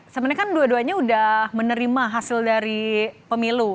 sebenarnya kan dua duanya sudah menerima hasil dari pemilu